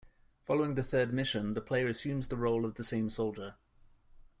Following the third mission, the player assumes the role of the same soldier.